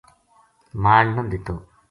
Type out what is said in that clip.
مال نہ دِتو